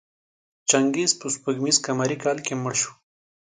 چنګیز په سپوږمیز قمري کال کې مړ شو.